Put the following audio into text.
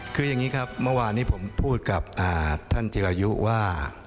คืออย่างนี้ครับเมื่อวานนี้ผมพูดกับท่านจิรายุว่า